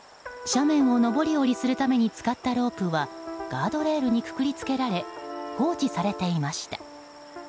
斜面を上り下りするために使ったロープはガードレールにくくりつけられ放置されていました。